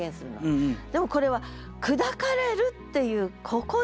でもこれは「砕かれる」っていうここで。